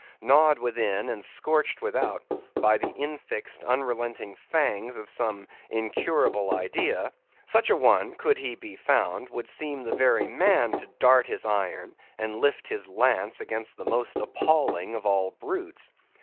Gnawed within and scorched without, with the infixed, unrelenting fangs of some incurable idea; such an one, could he be found, would seem the very man to dart his iron and lift his lance against the most appalling of all brutes.